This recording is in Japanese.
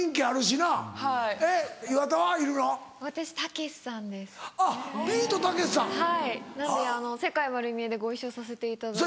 なので『世界まる見え！』でご一緒させていただいて。